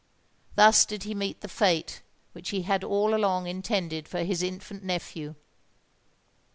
Thus did he meet the fate which he had all along intended for his infant nephew.